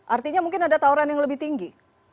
artinya mungkin ada tawaran yang lebih tinggi